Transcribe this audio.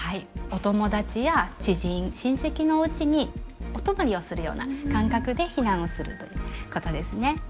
お友達や知人親戚のおうちにお泊まりをするような感覚で避難をするということですね。